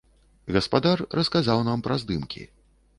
Гаспадар расказаў нам пра здымкі.